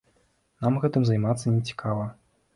Нам гэтым займацца не цікава.